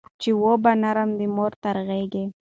چي وو به نرم د مور تر غېږي